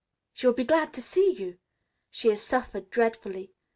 She will be so glad to see you. She has suffered dreadfully.